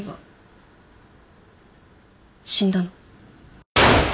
死んだの。